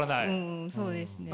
うんそうですね。